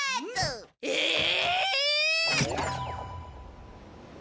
ええ！？